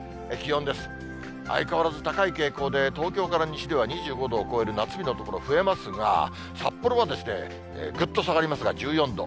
相変わらず高い傾向で、東京から西では２５度を超える夏日の所、増えますが、札幌はですね、ぐっと下がりますが、１４度。